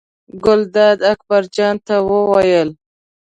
ګلداد اکبر جان ته وویل.